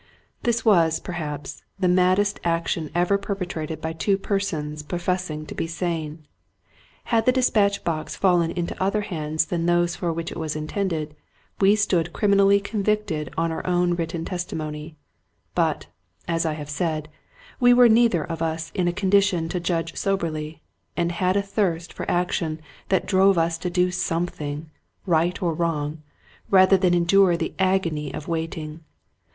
This was, perhaps, the maddest action ever per petrated by two persons professing to be sane. Had the dispatch box fallen into other hands than those for which it was intended, we stood criminally convicted on our own written testimony; but, as I have said, we were neither of us in a condition to judge soberly, and had a thirst for action that drove us to do something, right or wrong, rather than endure the agony of waiting.